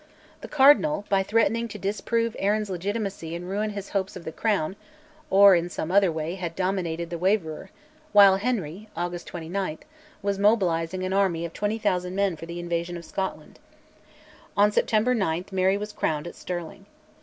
The Cardinal, by threatening to disprove Arran's legitimacy and ruin his hopes of the crown, or in some other way, had dominated the waverer, while Henry (August 29) was mobilising an army of 20,000 men for the invasion of Scotland. On September 9 Mary was crowned at Stirling.